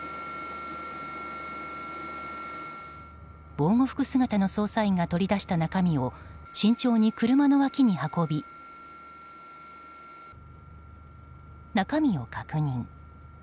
防護服姿の捜査員が取り出した中身を慎重に車の脇に運び中身を確認。